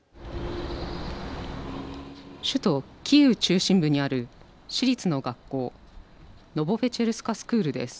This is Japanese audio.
首都キーウ中心部にある私立の学校ノボペチェルスカ・スクールです。